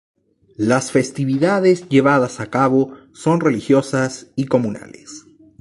Las festividades llevadas a cabo son religiosas y comunales.